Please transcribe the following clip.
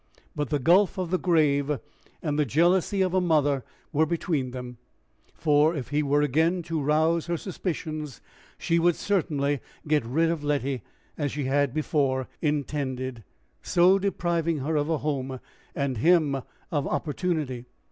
But the gulf of the grave and the jealousy of a mother were between them; for, if he were again to rouse her suspicions, she would certainly get rid of Letty, as she had before intended, so depriving her of a home, and him of opportunity.